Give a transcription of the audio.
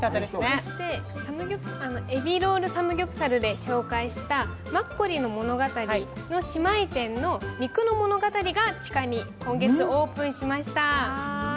そしてエビロールサムギョプサルで紹介したマッコリの物語の姉妹店の肉の物語が地下に今月、オープンしました。